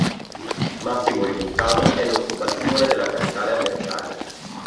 Massimo risultato è l'occupazione della capitale avversaria.